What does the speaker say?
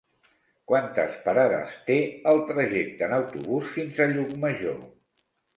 Quantes parades té el trajecte en autobús fins a Llucmajor?